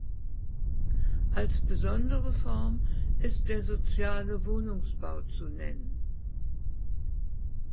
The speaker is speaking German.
Als besondere Form ist der Soziale Wohnungsbau zu nennen.